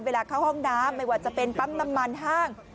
เข้าห้องน้ำไม่ว่าจะเป็นปั๊มน้ำมันห้าง